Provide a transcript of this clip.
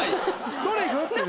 どれいく？っていう。